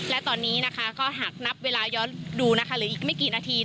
และตอนนี้นะคะก็หากนับเวลาย้อนดูนะคะหรืออีกไม่กี่นาที